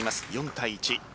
４対１。